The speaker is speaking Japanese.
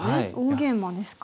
大ゲイマですか。